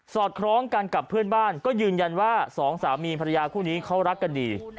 อดคล้องกันกับเพื่อนบ้านก็ยืนยันว่าสองสามีภรรยาคู่นี้เขารักกันดี